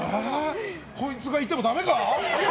こいつがいてもだめか？